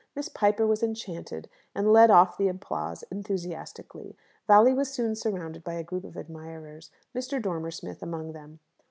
Miss Piper was enchanted, and led off the applause enthusiastically. Valli was soon surrounded by a group of admirers, Mr. Dormer Smith among them.